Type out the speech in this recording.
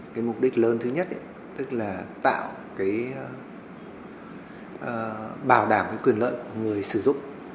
cái mục đích lớn thứ nhất tức là tạo cái bảo đảm quyền lợi của người sử dụng